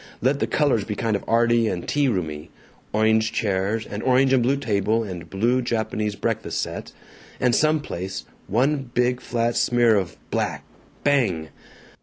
Let the colors be kind of arty and tea roomy orange chairs, and orange and blue table, and blue Japanese breakfast set, and some place, one big flat smear of black bang!